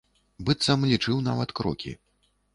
Быццам лічыў нават крокі.